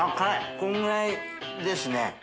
これぐらいですね。